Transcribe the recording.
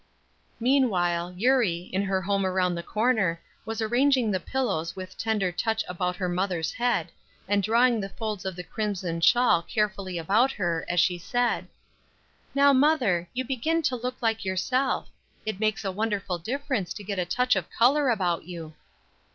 Meantime, Eurie, in her home around the corner was arranging the pillows with tender touch about her mother's head, and drawing the folds of the crimson shawl carefully about her, as she said: "Now, mother, you begin to look like yourself: it makes a wonderful difference to get a touch of color about you."